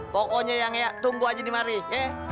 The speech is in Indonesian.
pokoknya yang eya tunggu aja di mari ye